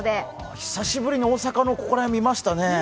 久しぶりの大阪のここら辺、見ましたね。